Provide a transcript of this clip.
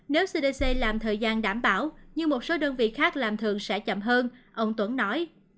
nếu cdc làm thời gian đảm bảo nhưng một số đơn vị khác làm thường sẽ chậm hơn ông tuấn nói